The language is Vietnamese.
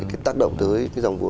cái tác động tới cái dòng fbi